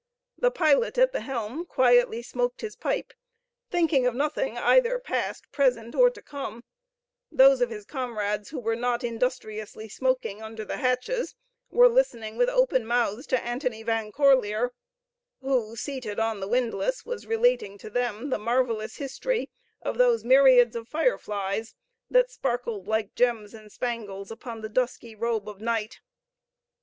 The pilot at the helm quietly smoked his pipe, thinking of nothing either past, present, or to come; those of his comrades who were not industriously smoking under the hatches were listening with open mouths to Antony Van Corlear, who, seated on the windlass, was relating to them the marvelous history of those myriads of fireflies, that sparkled like gems and spangles upon the dusky robe of night.